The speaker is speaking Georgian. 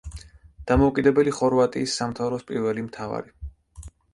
დამოუკიდებელი ხორვატიის სამთავროს პირველი მთავარი.